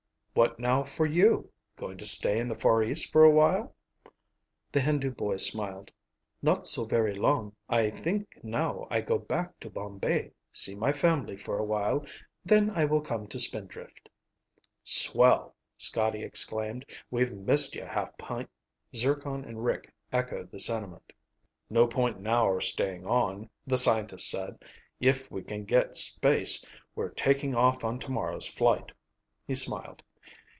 "What now for you? Going to stay in the Far East for a while?" The Hindu boy smiled. "Not so very long. I think now I go back to Bombay, see my family for a while, then I will come to Spindrift." "Swell!" Scotty exclaimed. "We've missed you, half pint." Zircon and Rick echoed the sentiment. "No point in our staying on," the scientist said. "If we can get space, we'll take off on tomorrow's flight." He smiled.